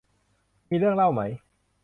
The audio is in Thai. มีเรื่องเล่าไหม